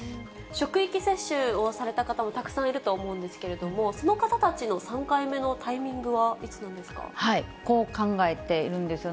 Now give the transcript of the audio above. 職域接種をされた方もたくさんいると思うんですけれども、その方たちの３回目のタイミングは、いつなんですか。